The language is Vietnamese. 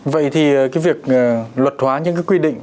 vậy thì cái việc luật hóa những cái quy định